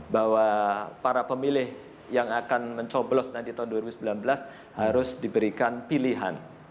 bahwa para pemilih yang akan mencoblos nanti tahun dua ribu sembilan belas harus diberikan pilihan